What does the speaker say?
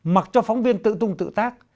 mặc cho phóng viên tự tung tự tác